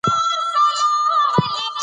دا ټېکنالوژي تنظیم اسانه کوي.